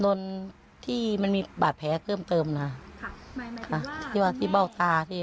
โดนที่มันมีบาดแผลเพิ่มเติมนะค่ะที่ว่าที่เบ้าตาที่